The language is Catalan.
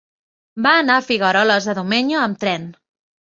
Va anar a Figueroles de Domenyo amb tren.